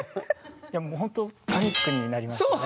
いやほんとパニックになりましたね。